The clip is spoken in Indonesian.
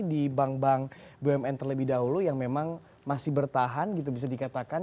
di bank bank bumn terlebih dahulu yang memang masih bertahan gitu bisa dikatakan